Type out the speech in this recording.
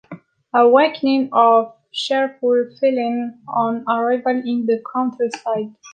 'Awakening of cheerful feelings on arrival in the countryside.